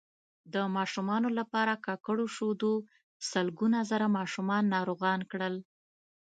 د ماشومانو لپاره ککړو شیدو سلګونه زره ماشومان ناروغان کړل